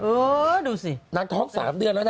เออดูสินางท้อง๓เดือนแล้วนะ